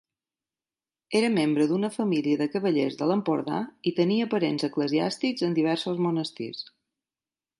Era membre d'una família de cavallers de l'Empordà i tenia parents eclesiàstics en diversos monestirs.